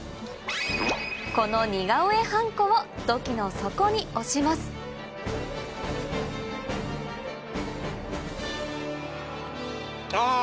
この似顔絵ハンコを土器の底に押しますあ！